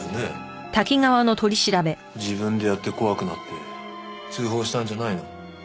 自分でやって怖くなって通報したんじゃないの？